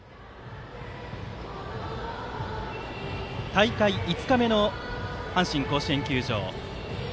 大会５日目の阪神甲子園球場。